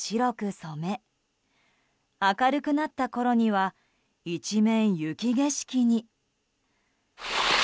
染め明るくなったころには一面、雪景色に。